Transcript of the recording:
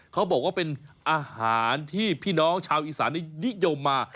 เขาบอกว่าเป็นอาหารที่พี่น้องชาวอีสานนิยมมา